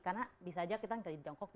karena bisa aja kita jadi jongkok